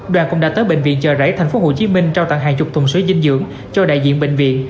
đoàn cũng đã tới bệnh viện chờ rẫy tp hcm trao tặng hai mươi thùng suối dinh dưỡng cho đại diện bệnh viện